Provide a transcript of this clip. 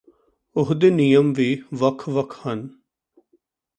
ਉਹਦੇ ਨਿਯਮ ਵੀ ਵੱਖ ਵੱਖ ਹਨ